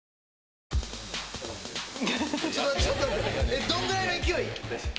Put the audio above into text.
えっどんぐらいの勢い？